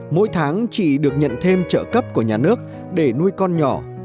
mỗi tháng chị được nhận thêm trợ cấp của nhà nước để nuôi con nhỏ